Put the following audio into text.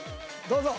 どうぞ。